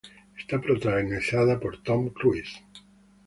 Está protagonizada por Tom Cruise.